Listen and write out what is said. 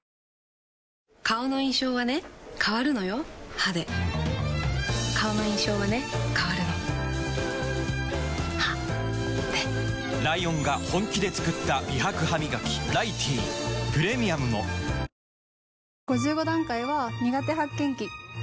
歯で顔の印象はね変わるの歯でライオンが本気で作った美白ハミガキ「ライティー」プレミアムも「キュキュット」油汚れ